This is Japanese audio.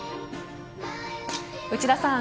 内田さん